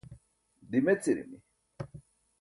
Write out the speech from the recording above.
dimecirimi